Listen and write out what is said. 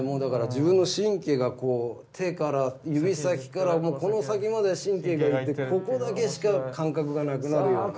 自分の神経が手から指先からこの先まで神経がいってここだけしか感覚がなくなるような。